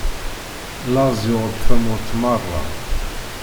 Laẓ yuɣ-d tamurt meṛṛa.